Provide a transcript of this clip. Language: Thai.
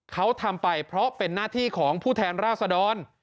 เขาทำไปเพราะเป็นหน้าที่ของผู้แทนราษดร